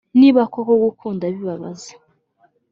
Niba koko gukunda bibabaza